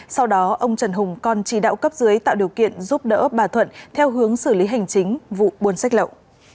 sau đó ông trần hùng còn chỉ đạo cấp dưới tạo điều kiện giúp đỡ bà thuận theo hướng xử lý hành chính vụ buôn sách lậu